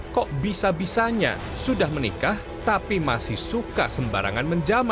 kok bisa bisanya sudah menikah tapi masih suka sembarangan menjama